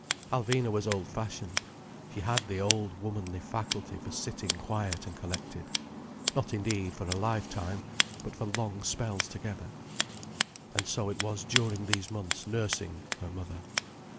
Alvina was old fashioned. She had the old, womanly faculty for sitting quiet and collected—not indeed for a life time, but for long spells together. And so it was during these months nursing her mother.